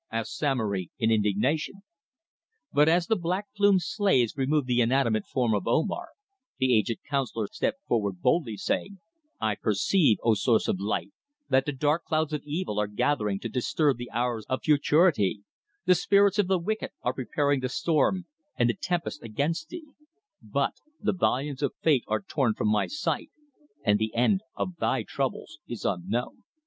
asked Samory in indignation. But as the black plumed slaves removed the inanimate form of Omar, the aged councillor stepped forward boldly, saying: "I perceive, O source of light, that the dark clouds of evil are gathering to disturb the hours of futurity; the spirits of the wicked are preparing the storm and the tempest against thee; but the volumes of Fate are torn from my sight, and the end of thy troubles is unknown."